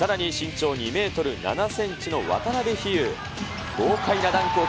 さらに身長２メートル７センチの渡邉飛勇。